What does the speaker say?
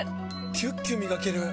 キュッキュ磨ける！